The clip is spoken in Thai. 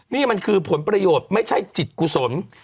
นี่มันคือผลประโยชน์ไม่ใช่จิตกุศล